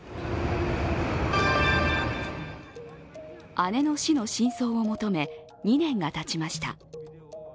姉の死の真相を求め２年がたちました。